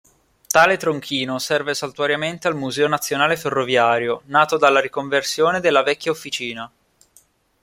Tale tronchino serve saltuariamente al museo nazionale ferroviario, nato dalla riconversione della vecchia Officina.